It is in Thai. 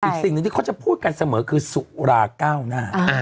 สิ่งหนึ่งที่เขาจะพูดกันเสมอคือสุราเก้าหน้า